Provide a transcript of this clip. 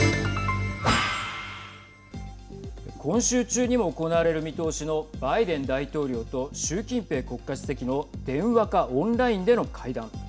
今週中にも行われる見通しのバイデン大統領と習近平国家主席の電話かオンラインでの会談。